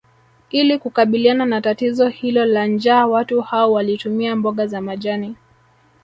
Ili kukabiliana na tatizo hilo la njaa watu hao walitumia mboga za majani